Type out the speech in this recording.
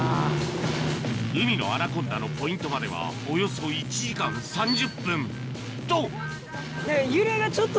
海のアナコンダのポイントまではおよそ１時間３０分と！